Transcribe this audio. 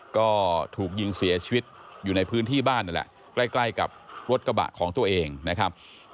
ก็ถูกยิงเสียชีวิตอยู่ในพื้นที่บ้านนี่แหละใกล้กับรถกระบะของตัวเองนะครับ